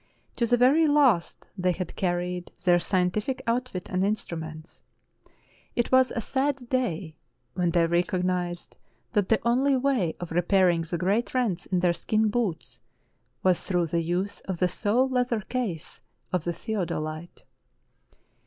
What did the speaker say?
To the very last they had carried their scientific outfit and instruments. It was a sad day when they recognized that the only way of repairing the great rents in their skin boots was through the use of the sole leather case of the theodo lite.